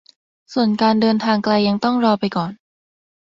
ส่วนการเดินทางไกลยังต้องรอไปก่อน